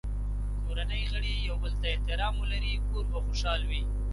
که کورنۍ غړي یو بل ته احترام ولري، کور به خوشحال وي.